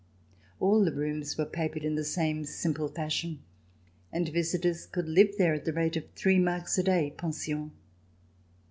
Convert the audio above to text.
All the rooms were papered in the same simple fashion, and visitors could live there at the rate of three marks a day, pension.